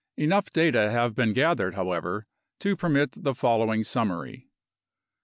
Enough data have been gathered, however, to permit the following summary.